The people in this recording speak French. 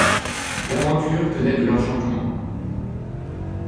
L'aventure tenait de l'enchantement.